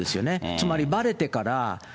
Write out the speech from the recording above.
つまりばれてから。